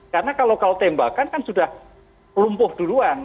karena kalau tembakan kan sudah lumpuh duluan